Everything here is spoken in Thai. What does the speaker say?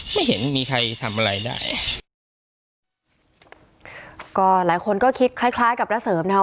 ไม่เห็นมีใครทำอะไรได้ก็หลายคนก็คิดคล้ายคล้ายกับระเสริมนะคะ